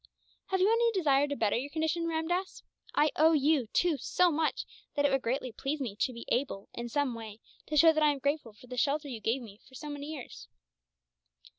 "Have you any desire to better your condition, Ramdass? I owe you, too, so much that it would greatly please me to be able, in some way, to show that I am grateful for the shelter you gave me for so many years."